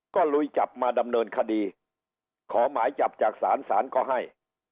ก็ลุยจับมาดำเนินคดีขอหมายจับจากศาลศาลก็ให้